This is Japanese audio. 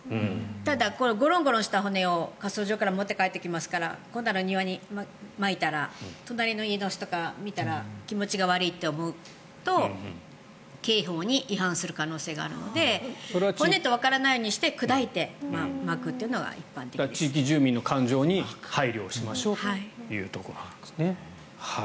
ただ、ゴロンゴロンした骨を火葬場から持って帰ってきますから家の庭にまいたら隣の家の人から見たら気持ちが悪いと思うと警報に違反する可能性があるので骨とわからないようにして地域住民の方へ配慮しましょうと。